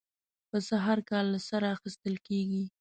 پسه هر کال له سره اخېستل کېږي.